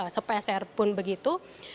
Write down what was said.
sepeser pun begitu